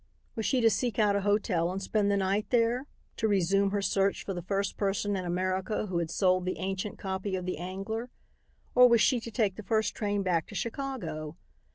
Was she to seek out a hotel and spend the night there, to resume her search for the first person in America who had sold the ancient copy of the Angler, or was she to take the first train back to Chicago?